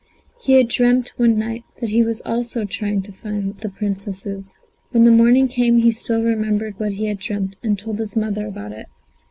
He had dreamt one night that he also was trying to find the Princesses. When the morning came he still remembered what he had dreamt, and told his mother about it.